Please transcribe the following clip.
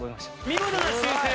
見事な修正！